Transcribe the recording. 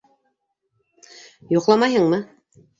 Йоҡламайһыңмы?